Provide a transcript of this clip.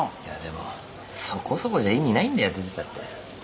いやでもそこそこじゃ意味ないんだよ出てたって。